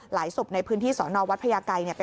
หลายศุปดิ์ในพื้นที่สอนอวัดพยายไกร